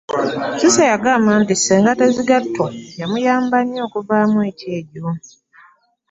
Cissy yagamba nti Ssenga Tezigattwa yamuyamba nnyo okuvaamu ekyejjo.